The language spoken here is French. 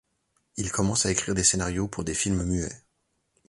Il commence à écrire des scénarios pour des films muets.